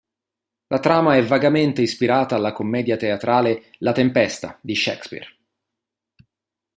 La trama è vagamente ispirata alla commedia teatrale "La tempesta" di Shakespeare.